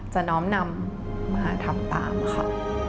น้อมนำมาทำตามค่ะ